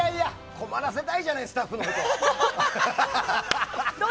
困らせたいじゃないスタッフのこと。